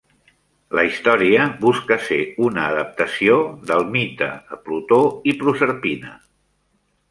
La història busca ser una adaptació del mite de Plutó i Prosèrpina.